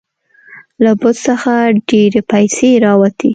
له بت څخه ډیرې پیسې راوتې.